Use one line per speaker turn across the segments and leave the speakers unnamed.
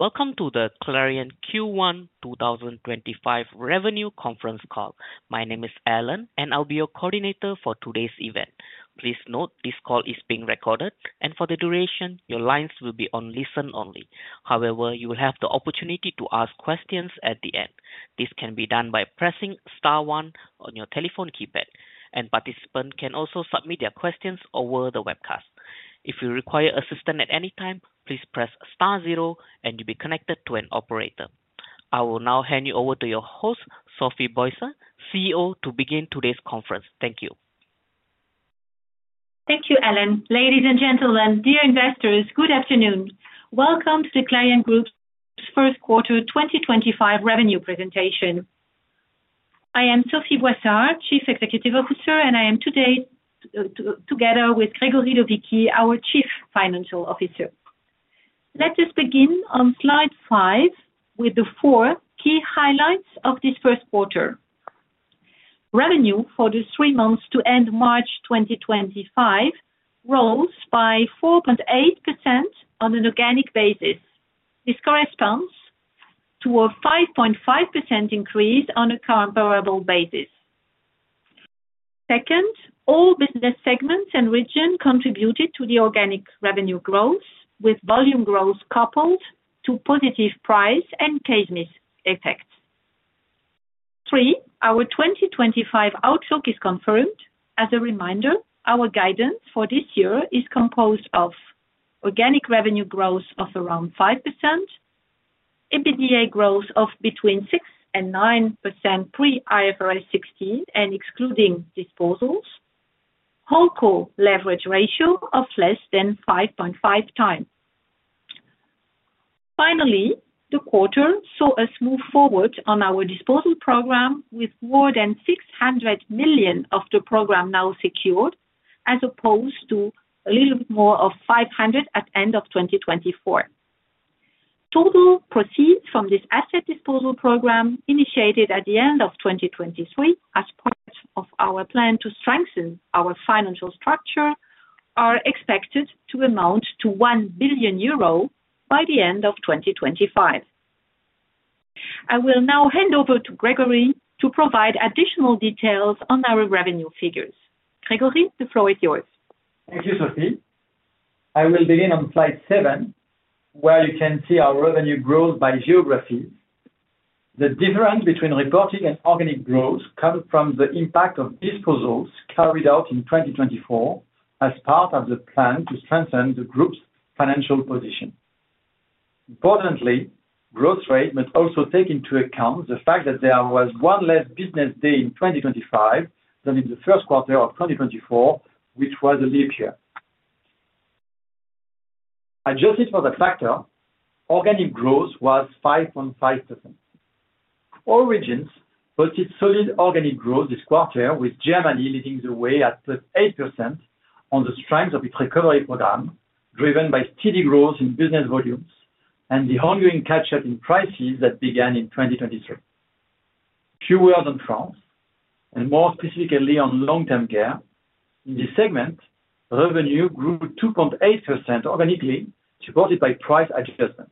Welcome to the Clariane Q1 2025 Revenue Conference call. My name is Alan, and I'll be your coordinator for today's event. Please note this call is being recorded, and for the duration, your lines will be on listen only. However, you will have the opportunity to ask questions at the end. This can be done by pressing star one on your telephone keypad, and participants can also submit their questions over the webcast. If you require assistance at any time, please press star zero, and you'll be connected to an operator. I will now hand you over to your host, Sophie Boissard, CEO, to begin today's conference. Thank you.
Thank you, Alan. Ladies and gentlemen, dear investors, good afternoon. Welcome to the Clariane Group's first quarter 2025 revenue presentation. I am Sophie Boissard, Chief Executive Officer, and I am today together with Grégory Lovichi, our Chief Financial Officer. Let us begin on slide five with the four key highlights of this first quarter. Revenue for the three months to end March 2025 rose by 4.8% on an organic basis. This corresponds to a 5.5% increase on a comparable basis. Second, all business segments and regions contributed to the organic revenue growth, with volume growth coupled to positive price and case mix effects. Three, our 2025 outlook is confirmed. As a reminder, our guidance for this year is composed of organic revenue growth of around 5%, EBITDA growth of between 6% and 9% pre-IFRS 16, and excluding disposals, HoldCo leverage ratio of less than 5.5 times. Finally, the quarter saw a step forward on our disposal program, with more than 600 million of the program now secured, as opposed to a little bit more of 500 million at the end of 2024. Total proceeds from this asset disposal program initiated at the end of 2023, as part of our plan to strengthen our financial structure, are expected to amount to 1 billion euro by the end of 2025. I will now hand over to Grégory to provide additional details on our revenue figures. Grégory, the floor is yours.
Thank you, Sophie. I will begin on slide seven, where you can see our revenue growth by geography. The difference between reporting and organic growth comes from the impact of disposals carried out in 2024 as part of the plan to strengthen the group's financial position. Importantly, growth rate must also take into account the fact that there was one less business day in 2025 than in the first quarter of 2024, which was a leap year. Adjusted for the factor, organic growth was 5.5%. All regions posted solid organic growth this quarter, with Germany leading the way at +8% on the strength of its recovery program, driven by steady growth in business volumes and the ongoing catch-up in prices that began in 2023. Few words on France, and more specifically on long-term care. In this segment, revenue grew 2.8% organically, supported by price adjustment.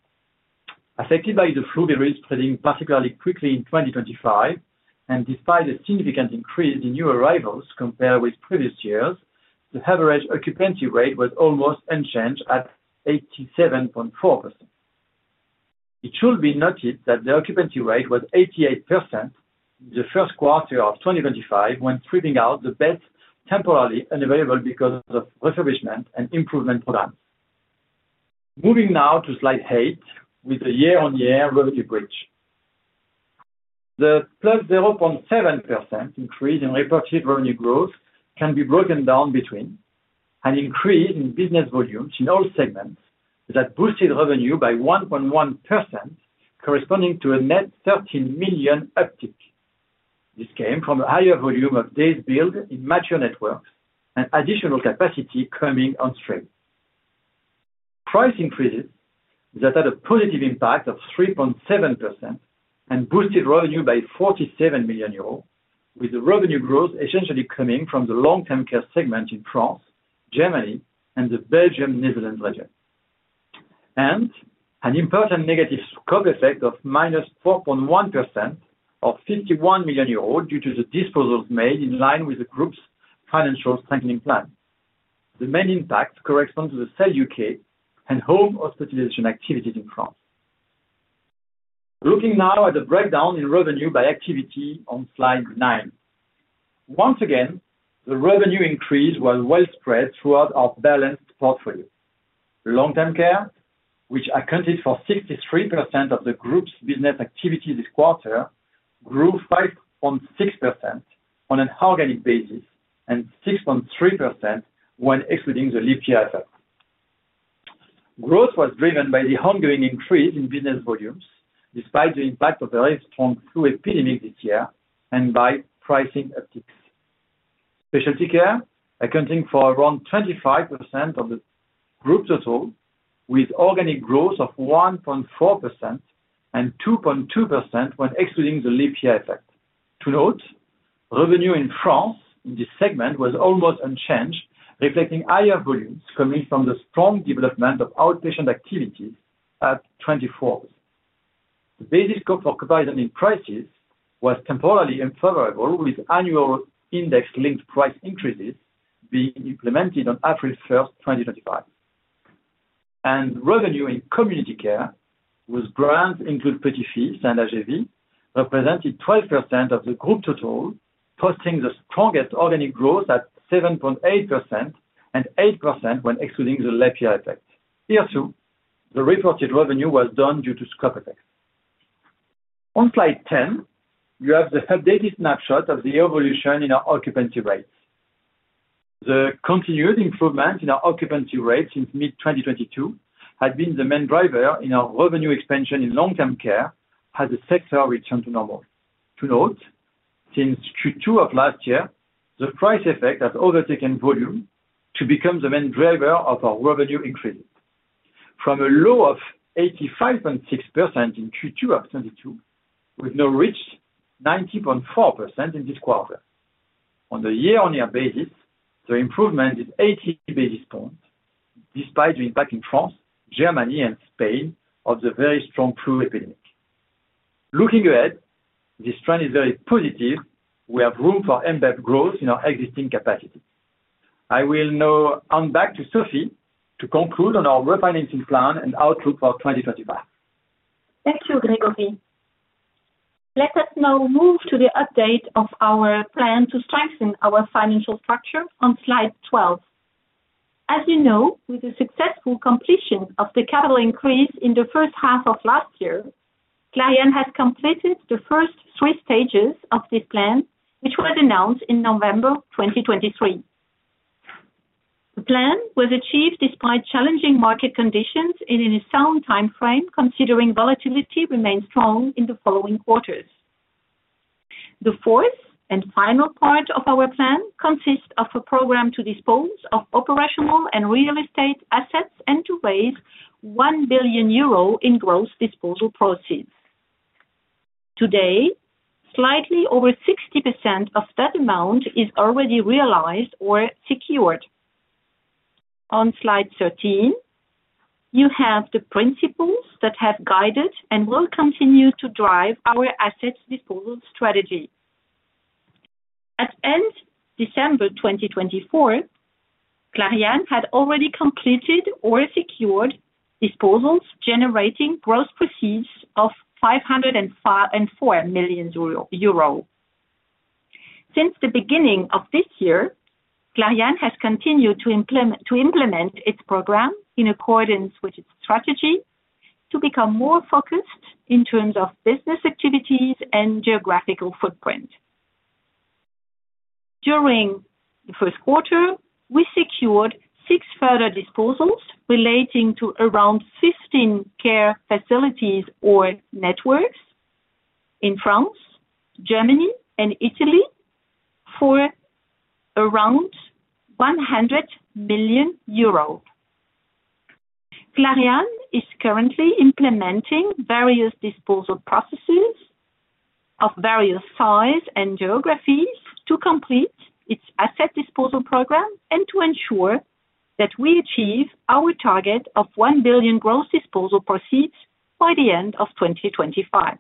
Affected by the flu variant spreading particularly quickly in 2025, and despite a significant increase in new arrivals compared with previous years, the average occupancy rate was almost unchanged at 87.4%. It should be noted that the occupancy rate was 88% in the first quarter of 2025 when trimming out the beds temporarily unavailable because of refurbishment and improvement programs. Moving now to slide eight with the year-on-year revenue bridge. The +0.7% increase in reported revenue growth can be broken down between an increase in business volumes in all segments that boosted revenue by 1.1%, corresponding to a net 13 million uptick. This came from a higher volume of days billed in mature networks and additional capacity coming on stream. Price increases that had a positive impact of 3.7% and boosted revenue by 47 million euros, with the revenue growth essentially coming from the long-term care segment in France, Germany, and the Belgium-Netherlands region. An important negative scope effect of minus 4.1% or 51 million euros was due to the disposals made in line with the group's financial strengthening plan. The main impact corresponds to the sale of U.K. and home hospitalization activities in France. Looking now at the breakdown in revenue by activity on slide nine. Once again, the revenue increase was well spread throughout our balanced portfolio. Long-term care, which accounted for 63% of the group's business activity this quarter, grew 5.6% on an organic basis and 6.3% when excluding the leap year effect. Growth was driven by the ongoing increase in business volumes, despite the impact of the very strong flu epidemic this year and by pricing upticks. Specialty care accounting for around 25% of the group total, with organic growth of 1.4% and 2.2% when excluding the leap year effect. To note, revenue in France in this segment was almost unchanged, reflecting higher volumes coming from the strong development of outpatient activities at 24%. The basis scope for comparison in prices was temporarily unfavorable, with annual index-linked price increases being implemented on April 1, 2025. Revenue in community care, whose brants include Petits-fils and Ages & Vie, represented 12% of the group total, posting the strongest organic growth at 7.8% and 8% when excluding the leap year effect. Here too, the reported revenue was down due to scope effects. On slide 10, you have the updated snapshot of the evolution in our occupancy rates. The continued improvement in our occupancy rates since mid-2022 had been the main driver in our revenue expansion in long-term care as the sector returned to normal. To note, since Q2 of last year, the price effect has overtaken volume to become the main driver of our revenue increases. From a low of 85.6% in Q2 of 2022, we've now reached 90.4% in this quarter. On a year-on-year basis, the improvement is 80 basis points, despite the impact in France, Germany, and Spain of the very strong flu epidemic. Looking ahead, this trend is very positive. We have room for embedded growth in our existing capacity. I will now hand back to Sophie to conclude on our refinancing plan and outlook for 2025.
Thank you, Grégory. Let us now move to the update of our plan to strengthen our financial structure on slide 12. As you know, with the successful completion of the capital increase in the first half of last year, Clariane has completed the first three stages of this plan, which was announced in November 2023. The plan was achieved despite challenging market conditions in a sound timeframe, considering volatility remained strong in the following quarters. The fourth and final part of our plan consists of a program to dispose of operational and real estate assets and to raise 1 billion euro in gross disposal proceeds. Today, slightly over 60% of that amount is already realized or secured. On slide 13, you have the principles that have guided and will continue to drive our assets disposal strategy. At the end of December 2024, Clariane had already completed or secured disposals generating gross proceeds of 504 million euro. Since the beginning of this year, Clariane has continued to implement its program in accordance with its strategy to become more focused in terms of business activities and geographical footprint. During the first quarter, we secured six further disposals relating to around 15 care facilities or networks in France, Germany, and Italy for around EUR 100 million. Clariane is currently implementing various disposal processes of various sizes and geographies to complete its asset disposal program and to ensure that we achieve our target of 1 billion gross disposal proceeds by the end of 2024.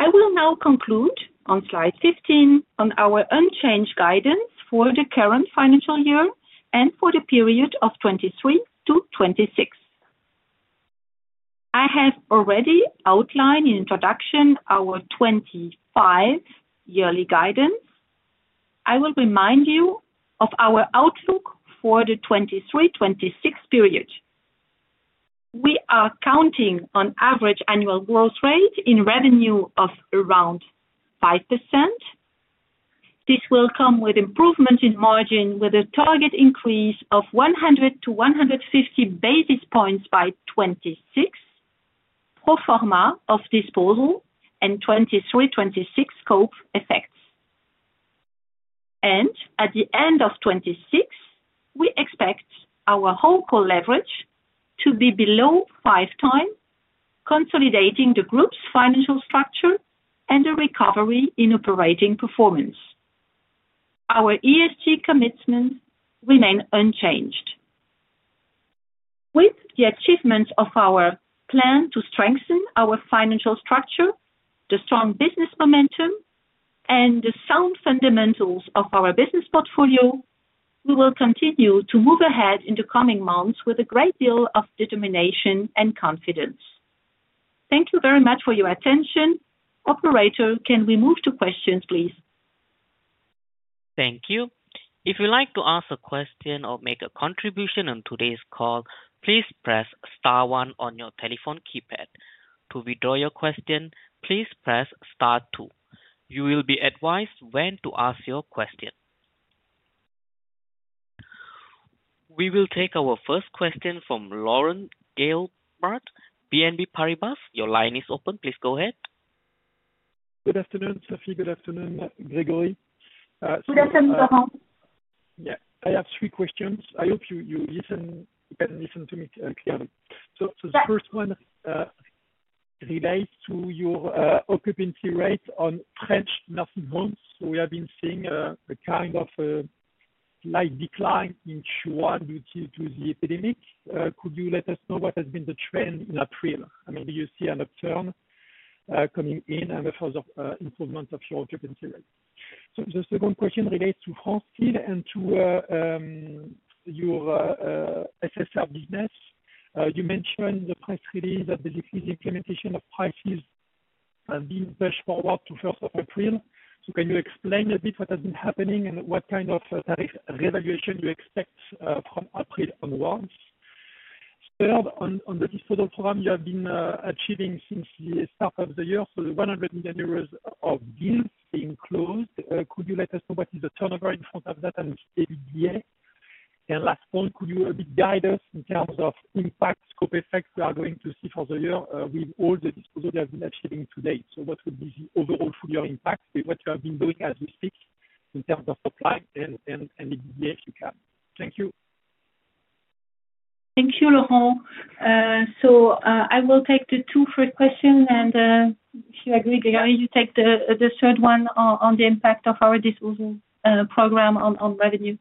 I will now conclude on slide 15 on our unchanged guidance for the current financial year and for the period of 2023 to 2026. I have already outlined in introduction our 2025 yearly guidance. I will remind you of our outlook for the 2023-2026 period. We are counting on average annual growth rate in revenue of around 5%. This will come with improvement in margin, with a target increase of 100-150 basis points by 2026 pro forma of disposal and 2023-2026 scope effects. At the end of 2026, we expect our HoldCo leverage to be below five times, consolidating the group's financial structure and the recovery in operating performance. Our ESG commitments remain unchanged. With the achievements of our plan to strengthen our financial structure, the strong business momentum, and the sound fundamentals of our business portfolio, we will continue to move ahead in the coming months with a great deal of determination and confidence. Thank you very much for your attention. Operator, can we move to questions, please?
Thank you. If you'd like to ask a question or make a contribution on today's call, please press star one on your telephone keypad. To withdraw your question, please press star two. You will be advised when to ask your question. We will take our first question from Laurent Gelebart, BNP Paribas. Your line is open. Please go ahead.
Good afternoon, Sophie. Good afternoon, Grégory.
Good afternoon, Laurent.
Yeah. I have three questions. I hope you can listen to me clearly. The first one relates to your occupancy rate on French nursing homes. We have been seeing a kind of slight decline in Q1 due to the epidemic. Could you let us know what has been the trend in April? Maybe you see an upturn coming in and a further improvement of your occupancy rate. The second question relates to France still and to your SSR business. You mentioned in the press release that the decreased implementation of prices has been pushed forward to the 1st of April. Can you explain a bit what has been happening and what kind of tariff revaluation you expect from April onwards? Third, on the disposal program you have been achieving since the start of the year, so the 100 million euros of deals being closed, could you let us know what is the turnover in front of that and its EBITDA? Last point, could you guide us in terms of impact scope effects we are going to see for the year with all the disposals you have been achieving to date? What would be the overall full-year impact with what you have been doing as we speak in terms of supply and EBITDA, if you can? Thank you.
Thank you, Laurent. I will take the two first questions. If you agree, Grégory, you take the third one on the impact of our disposal program on revenue.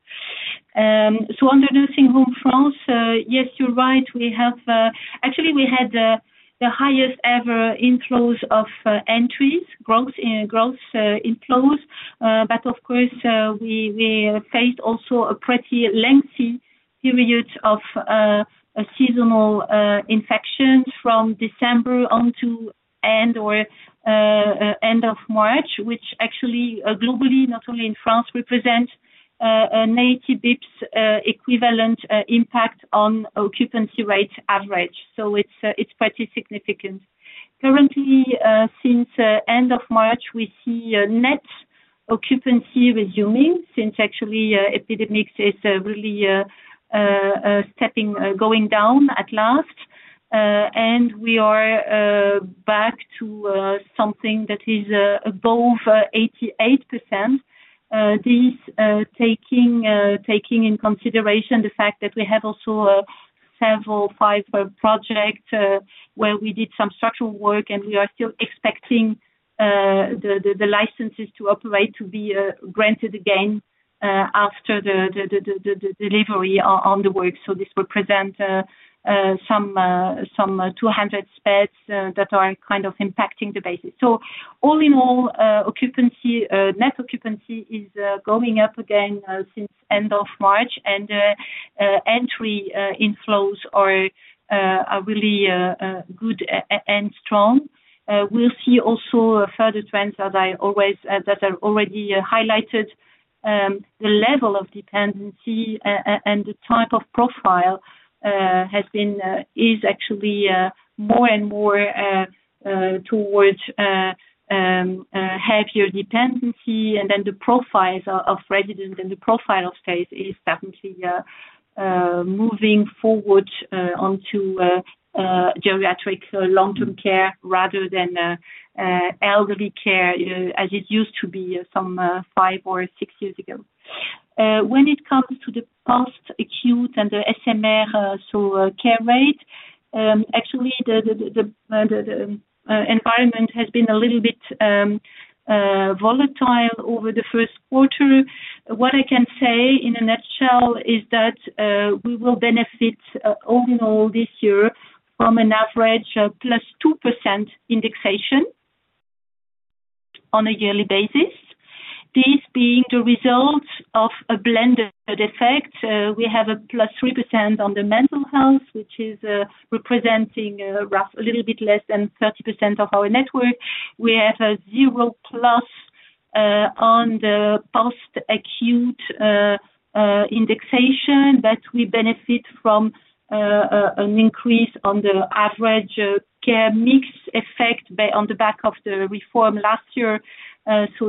On the nursing home France, yes, you're right. Actually, we had the highest-ever inflows of entries, growth inflows. Of course, we faced also a pretty lengthy period of seasonal infections from December on to end or end of March, which actually globally, not only in France, represents a negative basis points equivalent impact on occupancy rate average. It is pretty significant. Currently, since end of March, we see net occupancy resuming since actually epidemics is really stepping, going down at last. We are back to something that is above 88%. This taking in consideration the fact that we have also several five projects where we did some structural work, and we are still expecting the licenses to operate to be granted again after the delivery on the work. This will present some 200 beds that are kind of impacting the basis. All in all, net occupancy is going up again since end of March, and entry inflows are really good and strong. We will see also further trends that are already highlighted. The level of dependency and the type of profile has been is actually more and more towards heavier dependency. The profiles of residents and the profile of beds is definitely moving forward onto geriatric long-term care rather than elderly care as it used to be some five or six years ago. When it comes to the post-acute and the SMR, SSR, actually the environment has been a little bit volatile over the first quarter. What I can say in a nutshell is that we will benefit all in all this year from an average plus 2% indexation on a yearly basis. This being the result of a blended effect. We have a plus 3% on the mental health, which is representing a little bit less than 30% of our network. We have a zero plus on the post-acute indexation, but we benefit from an increase on the average care mix effect on the back of the reform last year.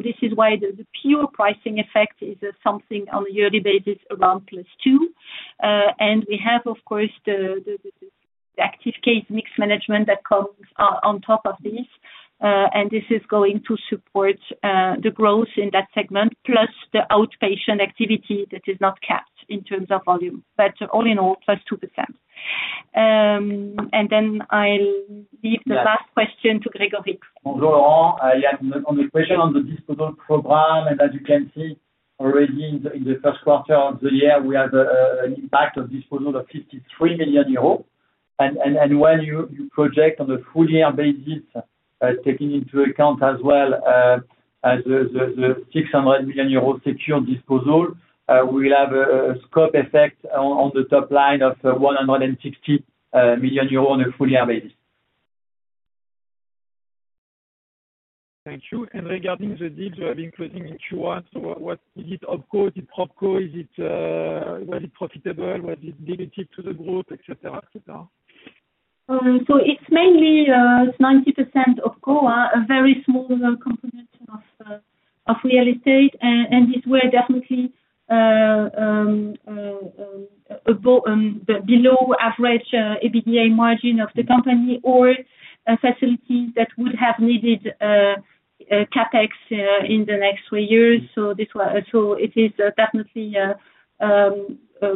This is why the pure pricing effect is something on a yearly basis around plus 2%. We have, of course, the active case mix management that comes on top of this. This is going to support the growth in that segment, plus the outpatient activity that is not capped in terms of volume. All in all, plus 2%. I'll leave the last question to Grégory.
Bonjour, Laurent. On the question on the disposal program, and as you can see already in the first quarter of the year, we have an impact of disposal of 53 million euros. When you project on a full-year basis, taking into account as well the 600 million euros secured disposal, we will have a scope effect on the top line of 160 million euros on a full-year basis.
Thank you. Regarding the deals you have been closing in Q1, was it OpCo? Is it PropCo? Was it profitable? Was it limited to the group, etc.?
It is mainly 90% OpCo, a very small component of real estate. These were definitely below average EBITDA margin of the company or facilities that would have needed CapEx in the next three years. It is definitely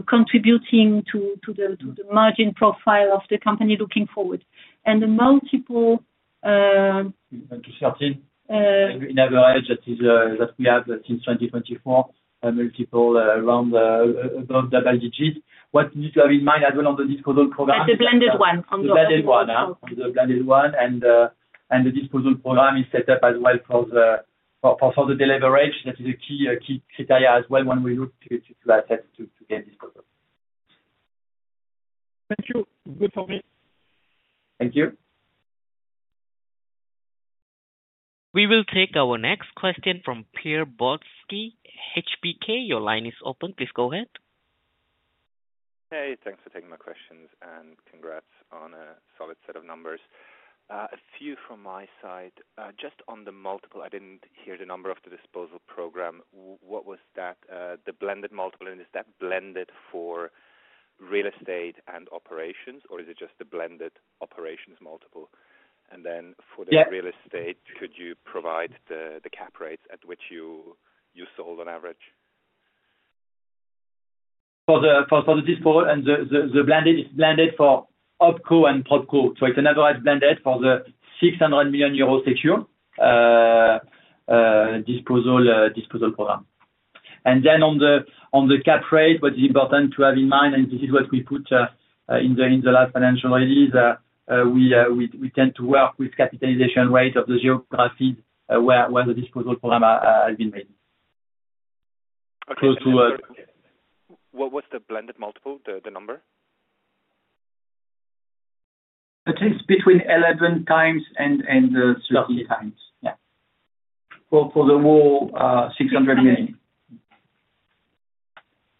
contributing to the margin profile of the company looking forward. And the multiple.
To 13 in average that we have since 2024, multiple around above double digits. What you need to have in mind as well on the disposal program.
It's a blended one.
It's a blended one. The disposal program is set up as well for the delivery. That is a key criteria as well when we look to assets to gain disposal.
Thank you. Good for me.
Thank you.
We will take our next question from Pierre Boldsky, HPK. Your line is open. Please go ahead.
Hey, thanks for taking my questions. Congrats on a solid set of numbers. A few from my side. Just on the multiple, I didn't hear the number of the disposal program. What was that? The blended multiple. Is that blended for real estate and operations, or is it just the blended operations multiple? For the real estate, could you provide the cap rates at which you sold on average?
For the disposal and the blended, it's blended for OpCo and PropCo. It is an average blended for the EUR 600 million secure disposal program. On the cap rate, what is important to have in mind, and this is what we put in the last financial release, we tend to work with capitalization rate of the geographies where the disposal program has been made.
What was the blended multiple, the number?
It's between 11 times and 13 times. Yeah. For the whole 600 million.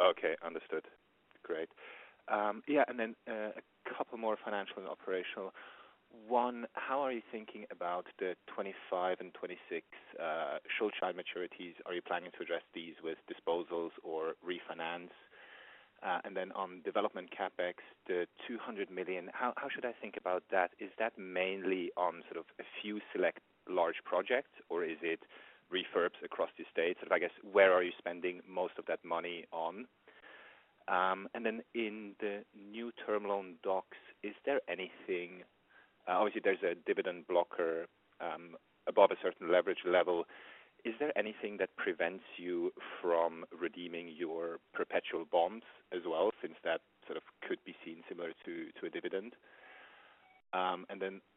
Okay. Understood. Great. Yeah. A couple more financial and operational. One, how are you thinking about the 2025 and 2026 Schuldschein maturities? Are you planning to address these with disposals or refinance? On development CapEx, the 200 million, how should I think about that? Is that mainly on sort of a few select large projects, or is it refurbs across the estate? I guess, where are you spending most of that money on? In the new term loan docs, is there anything? Obviously, there's a dividend blocker above a certain leverage level. Is there anything that prevents you from redeeming your perpetual bonds as well, since that sort of could be seen similar to a dividend?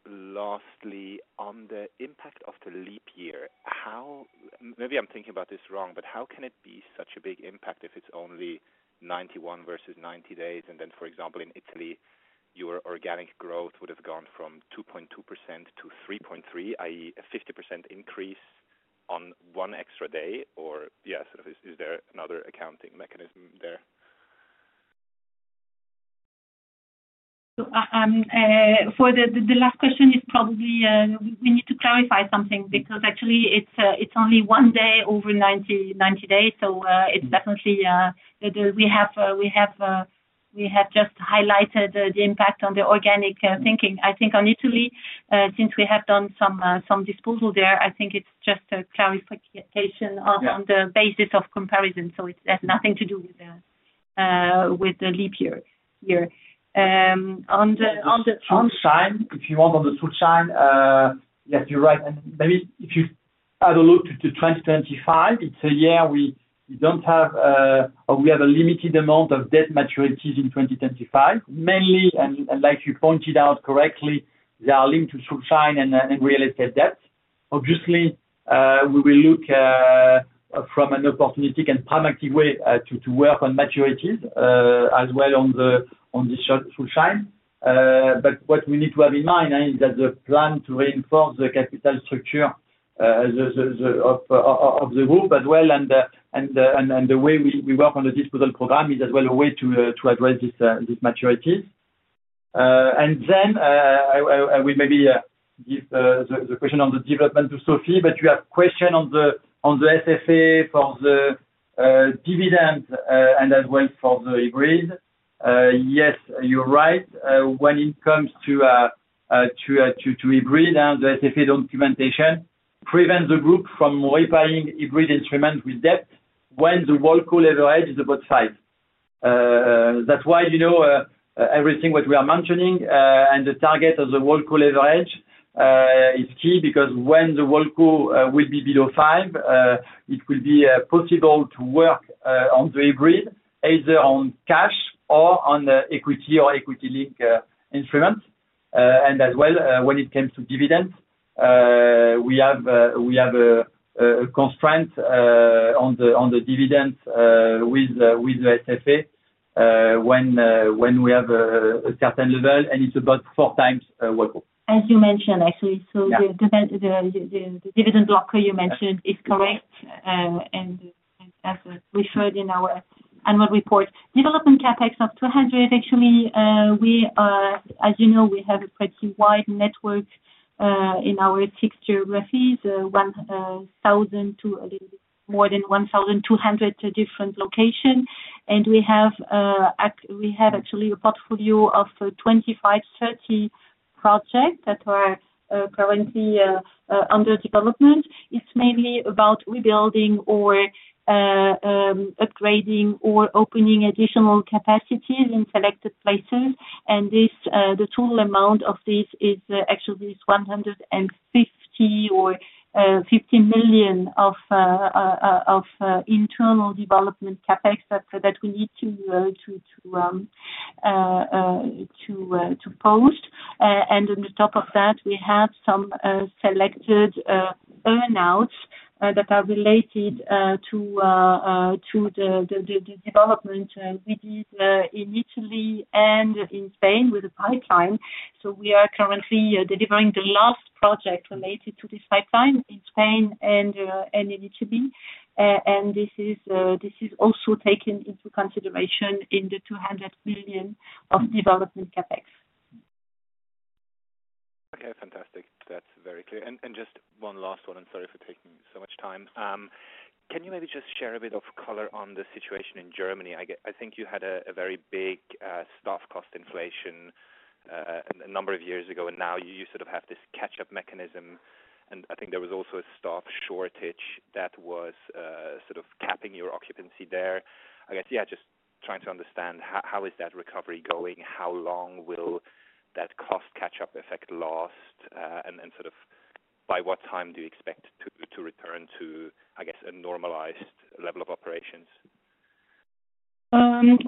Lastly, on the impact of the leap year, how maybe I'm thinking about this wrong, but how can it be such a big impact if it's only 91 versus 90 days? For example, in Italy, your organic growth would have gone from 2.2% to 3.3%, i.e., a 50% increase on one extra day or, yeah, sort of is there another accounting mechanism there?
For the last question, it's probably we need to clarify something because actually it's only one day over 90 days. It's definitely we have just highlighted the impact on the organic thinking. I think on Italy, since we have done some disposal there, I think it's just a clarification on the basis of comparison. It has nothing to do with the leap year here.
On the Schuldschein, if you want, on the Schuldschein, yes, you're right. Maybe if you have a look to 2025, it's a year we don't have or we have a limited amount of debt maturities in 2025. Mainly, and like you pointed out correctly, they are linked to Schuldschein and real estate debt. Obviously, we will look from an opportunistic and pragmatic way to work on maturities as well on the Schuldscheins. What we need to have in mind is that the plan to reinforce the capital structure of the group as well and the way we work on the disposal program is as well a way to address these maturities. I will maybe give the question on the development to Sophie, but you have a question on the SFA for the dividend and as well for the hybrid. Yes, you're right. When it comes to hybrid, the SFA documentation prevents the group from repaying hybrid instruments with debt when the HoldCo leverage is above 5. That is why everything what we are mentioning and the target of the HoldCo leverage is key because when the HoldCo will be below 5, it will be possible to work on the hybrid either on cash or on equity or equity-linked instruments. As well, when it comes to dividends, we have a constraint on the dividends with the SFA when we have a certain level, and it is about four times HoldCo.
As you mentioned, actually. The dividend blocker you mentioned is correct and as referred in our annual report. Development CapEx of 200, actually, as you know, we have a pretty wide network in our six geographies, 1,000 to a little bit more than 1,200 different locations. We have actually a portfolio of 25-30 projects that are currently under development. It is mainly about rebuilding or upgrading or opening additional capacities in selected places. The total amount of these is actually 150 million or 50 million of internal development CapEx that we need to post. On the top of that, we have some selected earnouts that are related to the development we did in Italy and in Spain with the pipeline. We are currently delivering the last project related to this pipeline in Spain and in Italy. This is also taken into consideration in the 200 million of development CapEx.
Okay. Fantastic. That's very clear. Just one last one. I'm sorry for taking so much time. Can you maybe just share a bit of color on the situation in Germany? I think you had a very big staff cost inflation a number of years ago, and now you sort of have this catch-up mechanism. I think there was also a staff shortage that was sort of capping your occupancy there. I guess, yeah, just trying to understand how is that recovery going? How long will that cost catch-up effect last? By what time do you expect to return to, I guess, a normalized level of operations?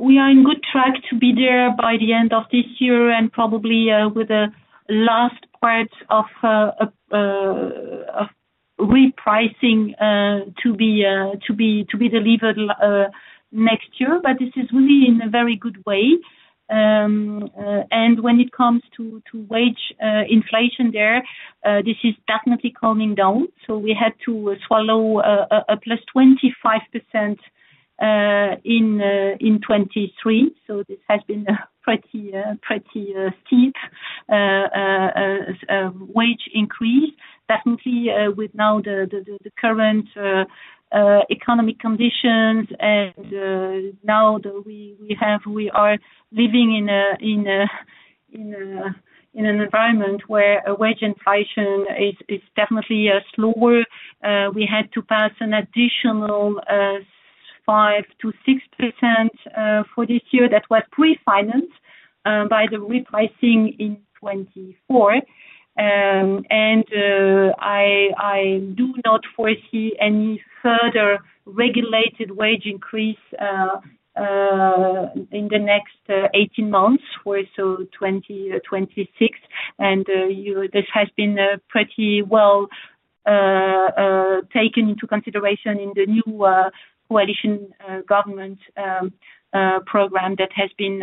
We are in good track to be there by the end of this year and probably with the last part of repricing to be delivered next year. This is really in a very good way. When it comes to wage inflation there, this is definitely coming down. We had to swallow a plus 25% in 2023. This has been a pretty steep wage increase. Definitely with now the current economic conditions and now we are living in an environment where wage inflation is definitely slower. We had to pass an additional 5%-6% for this year that was pre-financed by the repricing in 2024. I do not foresee any further regulated wage increase in the next 18 months or so, 2026. This has been pretty well taken into consideration in the new coalition government program that has been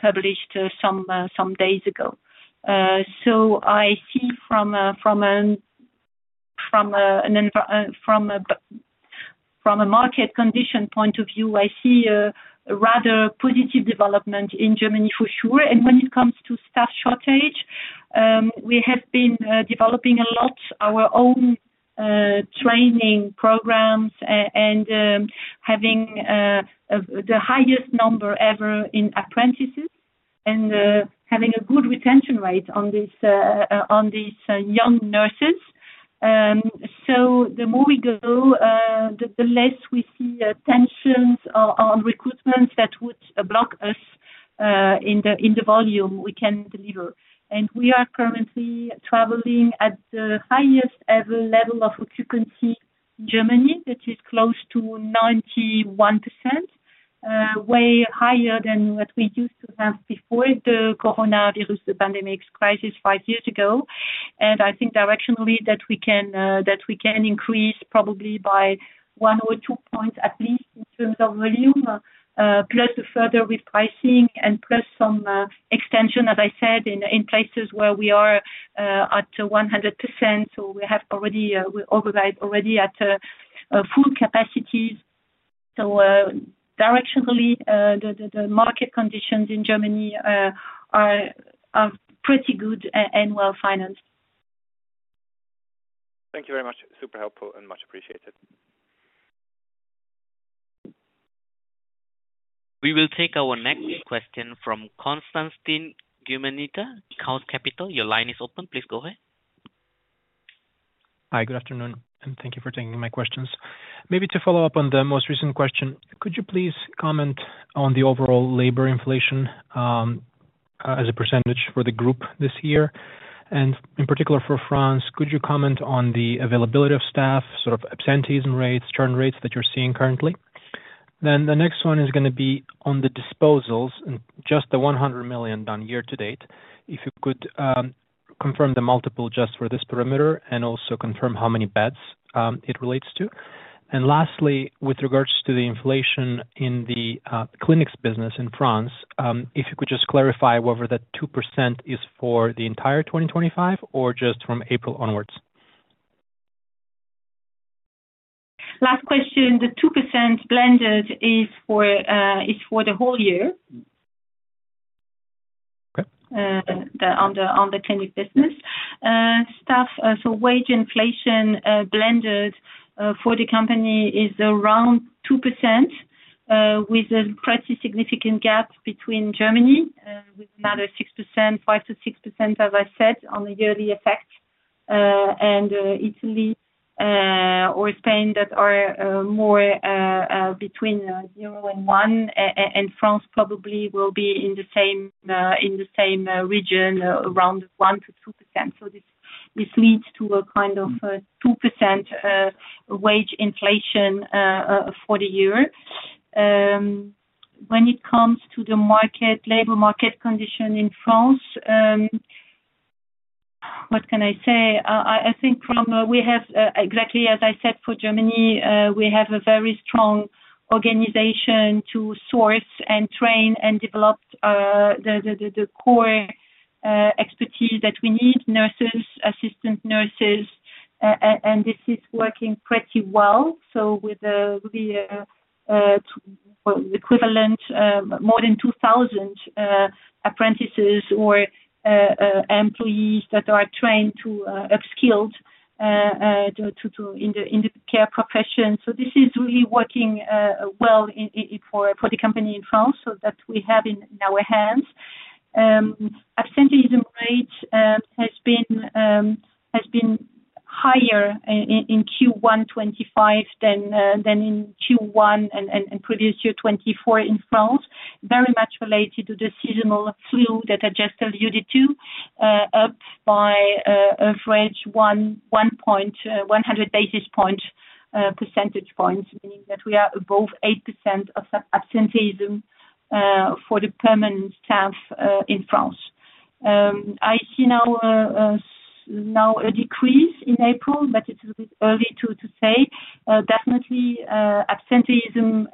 published some days ago. I see from a market condition point of view, I see a rather positive development in Germany for sure. When it comes to staff shortage, we have been developing a lot of our own training programs and having the highest number ever in apprentices and having a good retention rate on these young nurses. The more we go, the less we see tensions on recruitments that would block us in the volume we can deliver. We are currently traveling at the highest level of occupancy in Germany. It is close to 91%, way higher than what we used to have before the coronavirus pandemic crisis five years ago. I think directionally that we can increase probably by one or two points at least in terms of volume, plus the further repricing and plus some extension, as I said, in places where we are at 100%. We're already at full capacities. Directionally, the market conditions in Germany are pretty good and well-financed.
Thank you very much. Super helpful and much appreciated.
We will take our next question from Constantine Gimenita, Couch Capital. Your line is open. Please go ahead.
Hi, good afternoon. Thank you for taking my questions. Maybe to follow up on the most recent question, could you please comment on the overall labor inflation as a percentage for the group this year? In particular for France, could you comment on the availability of staff, sort of absenteeism rates, churn rates that you're seeing currently? The next one is going to be on the disposals, just the 100 million done year to date. If you could confirm the multiple just for this perimeter and also confirm how many beds it relates to. Lastly, with regards to the inflation in the clinics business in France, if you could just clarify whether that 2% is for the entire 2025 or just from April onwards.
Last question. The 2% blended is for the whole year on the clinic business. Staff, so wage inflation blended for the company is around 2% with a pretty significant gap between Germany with another 6%, 5-6%, as I said, on the yearly effect. And Italy or Spain that are more between 0 and 1, and France probably will be in the same region, around 1-2%. This leads to a kind of 2% wage inflation for the year. When it comes to the labor market condition in France, what can I say? I think we have, exactly as I said, for Germany, we have a very strong organization to source and train and develop the core expertise that we need, nurses, assistant nurses, and this is working pretty well. With the equivalent of more than 2,000 apprentices or employees that are trained to upskill in the care profession, this is really working well for the company in France that we have in our hands. Absenteeism rate has been higher in Q1 2025 than in Q1 in the previous year 2024 in France, very much related to the seasonal flu that I just alluded to, up by average 100 basis points, meaning that we are above 8% of absenteeism for the permanent staff in France. I see now a decrease in April, but it is a bit early to say. Definitely, absenteeism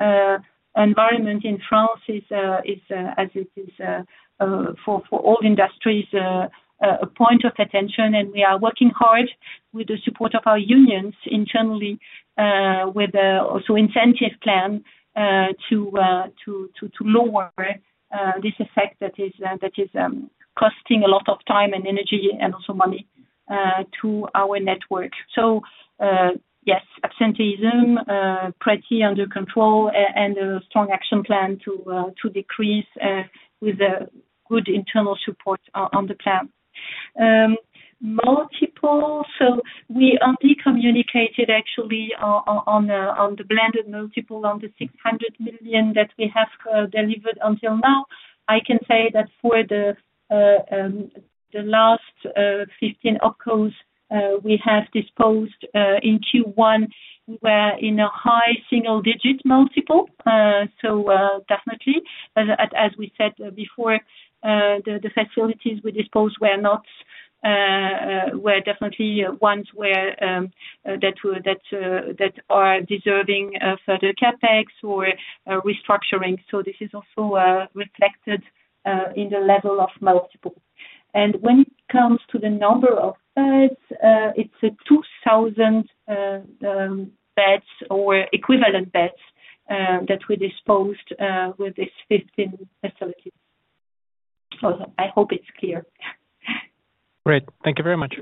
environment in France is, as it is for all industries, a point of attention, and we are working hard with the support of our unions internally with also incentive plan to lower this effect that is costing a lot of time and energy and also money to our network. Yes, absenteeism pretty under control and a strong action plan to decrease with good internal support on the plan. Multiple, we only communicated actually on the blended multiple on the 600 million that we have delivered until now. I can say that for the last 15 OpCos we have disposed in Q1, we were in a high single-digit multiple. As we said before, the facilities we disposed were definitely ones that are deserving of further capex or restructuring. This is also reflected in the level of multiple. When it comes to the number of beds, it's 2,000 beds or equivalent beds that we disposed with these 15 facilities. I hope it's clear.
Great. Thank you very much.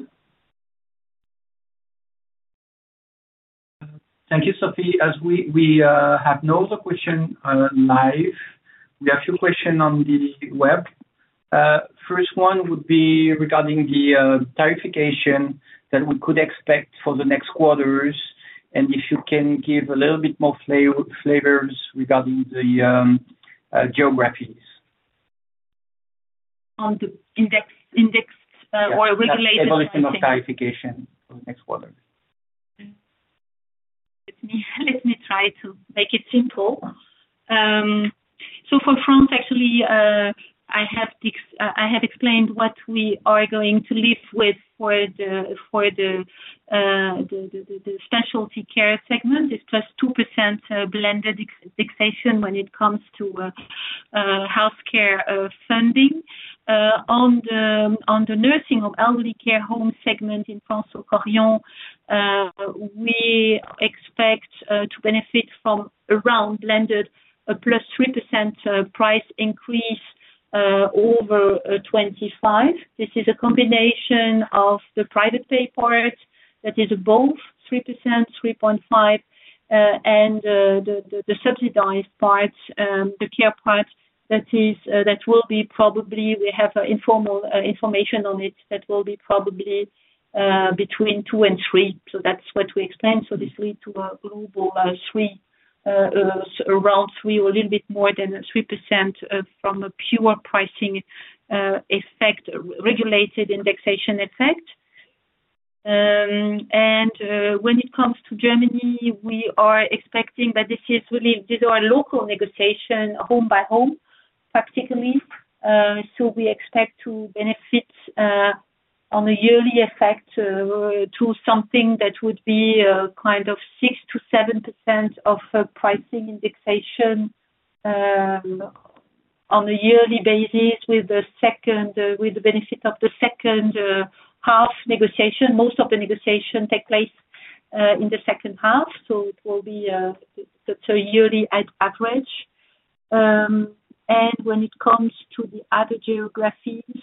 Thank you, Sophie. As we have no other question live, we have a few questions on the web. The first one would be regarding the tariffification that we could expect for the next quarters. If you can give a little bit more flavors regarding the geographies.
On the indexed or regulated.
Evolution of tariffification for the next quarter.
Let me try to make it simple. For France, actually, I have explained what we are going to live with for the specialty care segment. It's plus 2% blended fixation when it comes to healthcare funding. On the nursing home, elderly care home segment in France, we expect to benefit from around blended plus 3% price increase over 2025. This is a combination of the private pay part that is above 3%, 3.5%, and the subsidized part, the care part that will be probably, we have informal information on it, that will be probably between 2-3%. That's what we explain. This leads to a global around 3% or a little bit more than 3% from a pure pricing effect, regulated indexation effect. When it comes to Germany, we are expecting that this is really, these are local negotiations home by home, practically. We expect to benefit on the yearly effect to something that would be kind of 6-7% of pricing indexation on a yearly basis with the benefit of the second half negotiation. Most of the negotiation takes place in the second half. It will be a yearly average. When it comes to the other geographies,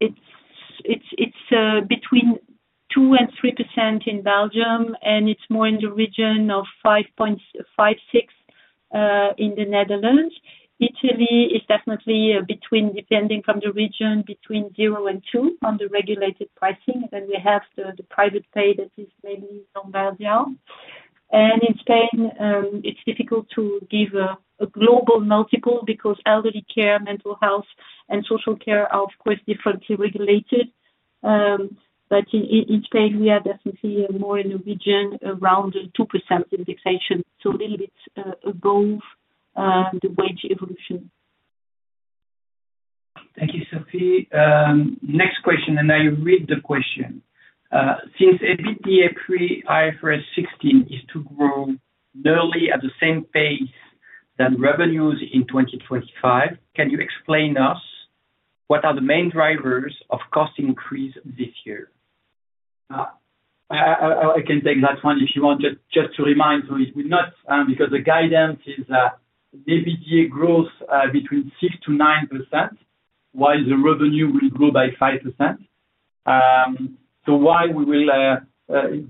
it is between 2-3% in Belgium, and it is more in the region of 5.5-6% in the Netherlands. Italy is definitely between, depending from the region, between 0 and 2% on the regulated pricing. We have the private pay that is mainly in Belgium. In Spain, it is difficult to give a global multiple because elderly care, mental health, and social care are, of course, differently regulated. In Spain, we are definitely more in the region around 2% indexation, so a little bit above the wage evolution.
Thank you, Sophie. Next question, and I'll read the question. Since EBITDA pre-IFRS 16 is to grow nearly at the same pace than revenues in 2025, can you explain to us what are the main drivers of cost increase this year? I can take that one if you want. Just to remind, so it will not because the guidance is EBITDA growth between 6-9%, while the revenue will grow by 5%. Why we will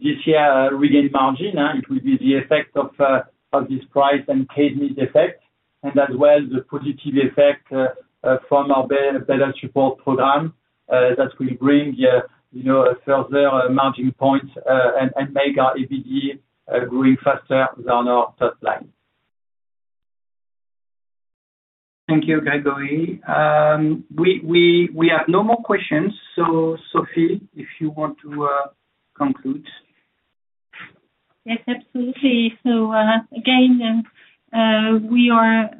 this year regain margin, it will be the effect of this price and KDNI effect, and as well the positive effect from our better support program that will bring further margin points and make our EBITDA growing faster than our top line. Thank you, Grégory. We have no more questions. Sophie, if you want to conclude.
Yes, absolutely. Again, we are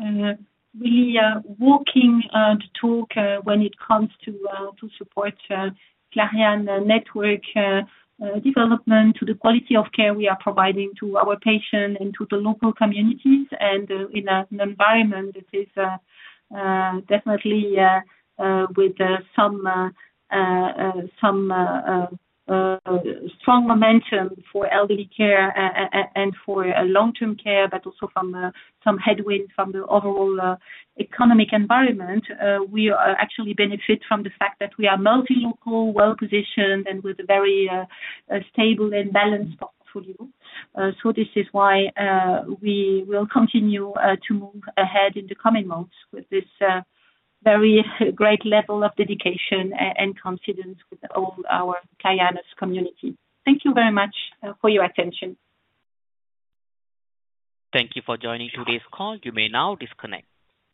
really working to talk when it comes to support Clariane Network development, to the quality of care we are providing to our patients and to the local communities, and in an environment that is definitely with some strong momentum for elderly care and for long-term care, but also from some headwinds from the overall economic environment. We actually benefit from the fact that we are multi-local, well-positioned, and with a very stable and balanced portfolio. This is why we will continue to move ahead in the coming months with this very great level of dedication and confidence with all our Clariane community. Thank you very much for your attention.
Thank you for joining today's call. You may now disconnect.